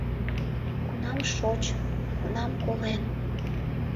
Кунам шочын, кунам колен.